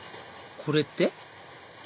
これって？